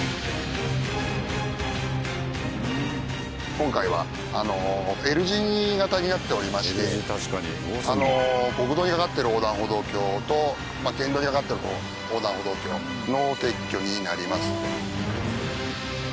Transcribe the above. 今回はＬ字形になっておりまして国道に架かってる横断歩道橋と県道に架かってる横断歩道橋の撤去になります。